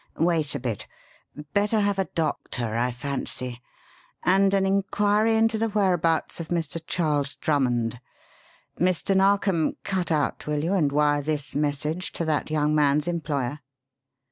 Wait a bit! Better have a doctor, I fancy, and an inquiry into the whereabouts of Mr. Charles Drummond. Mr. Narkom, cut out, will you, and wire this message to that young man's employer."